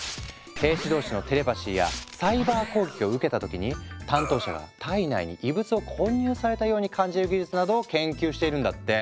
兵士同士のテレパシーやサイバー攻撃を受けた時に担当者が体内に異物を混入されたように感じる技術などを研究しているんだって。